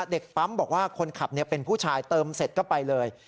เด็กปั๊มบอกว่าคนขับเป็นผู้ชายเติมเสร็จก็ไปเลย